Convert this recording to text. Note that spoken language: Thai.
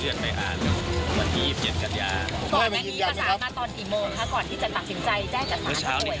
เมื่อเช้านี้ครับประมาณ๑๘โมงก่อนเข้าครับ